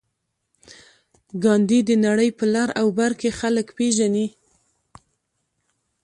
ګاندي د نړۍ په لر او بر کې خلک پېژني.